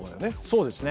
そうですね。